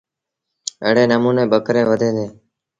ايڙي نموٚني ٻڪريݩ وڌيٚن ديٚݩ۔